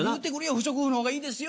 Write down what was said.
不織布のほうがいいですよ